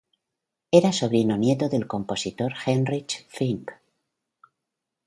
Era sobrino nieto del compositor Heinrich Finck.